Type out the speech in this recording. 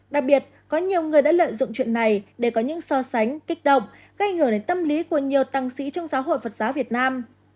đặc biệt có nhiều người đã lợi dụng chuyện này để có những so sánh kích động gây ngửa đến tâm lý của nhiều tăng sĩ trong giáo hội phật giáo việt nam